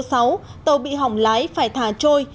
tàu bị hỏng lái phải thả trôi